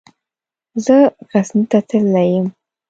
زه غزني ته تللی يم.